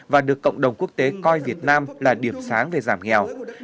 và được cộng đồng quốc tế coi việt nam là điểm sáng về giảm nghèo